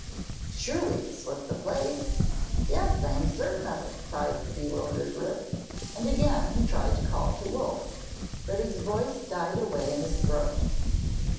'Surely this was the place? Yes! I am certain of it!' cried the bewildered Rip, and again he tried to call to Wolf, but his voice died away in his throat.